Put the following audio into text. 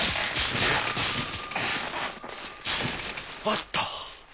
あった！